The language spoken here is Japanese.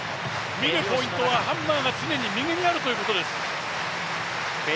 見るポイントは、ハンマーが常に右にあるということです。